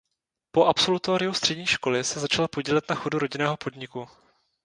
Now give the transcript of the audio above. Po absolutoriu střední školy se začal podílet na chodu rodinného podniku.